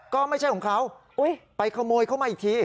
ก็ไม่ใช่ของเขาไปขโมยเขามาอีกที